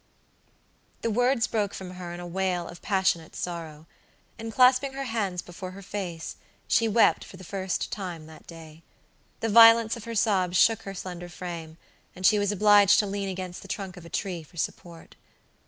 The words broke from her in a wail of passionate sorrow; and clasping her hands before her face, she wept for the first time that day. The violence of her sobs shook her slender frame, and she was obliged to lean against the trunk of a tree for support.